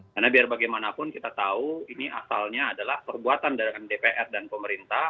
karena biar bagaimanapun kita tahu ini asalnya adalah perbuatan dengan dpr dan pemerintah